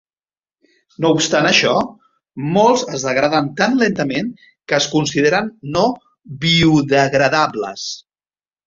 No obstant això, molts es degraden tan lentament que es consideren no biodegradables.